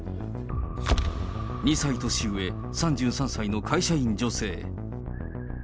２歳年上、３３歳の会社員女性。